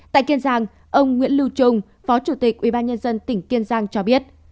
tại kiên giang ông nguyễn lưu trung phó chủ tịch ubnd tỉnh kiên giang cho biết